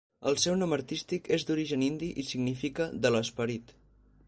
El seu nom artístic és d'origen indi i significa "de l'esperit".